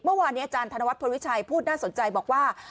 เมื่อวานนี้อาจารย์ธนวัฒพลวิชัยพูดน่าสนใจบอกว่า